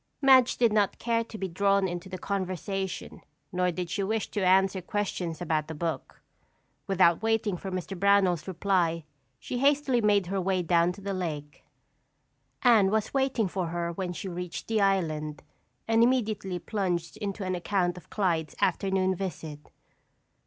Madge did not care to be drawn into the conversation nor did she wish to answer questions about the book. Without waiting for Mr. Brownell's reply, she hastily made her way down to the lake. Anne was waiting for her when she reached the island and immediately plunged into an account of Clyde's afternoon visit.